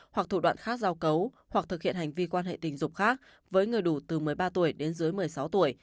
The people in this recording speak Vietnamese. hoặc thủ đoạn khác giao cấu hoặc thực hiện hành vi quan hệ tình dục khác với người đủ từ một mươi ba tuổi đến dưới một mươi sáu tuổi